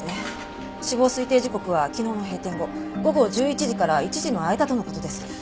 死亡推定時刻は昨日の閉店後午後１１時から１時の間との事です。